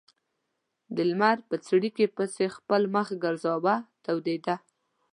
د لمر په څړیکې پسې خپل مخ ګرځاوه تودېده.